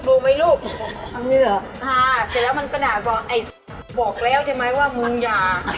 เสร็จแล้วมันก็แตะบอกแล้วใช่ไหมว่ามึงอย่า